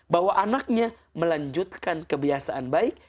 bahwa anaknya melanjutkan kebiasaan baik